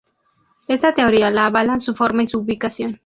Está teoría la avalan su forma y su ubicación.